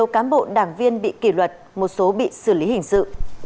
cám bộ đảng viên bị kỷ luật một số bị xử lý hình sự